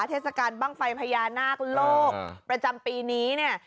เทศกาลบ้างไฟพญานาคโลกประจำปีนี้เนี่ย